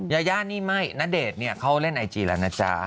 ยาย่านี่ไม่ณเดชน์เนี่ยเขาเล่นไอจีแล้วนะจ๊ะ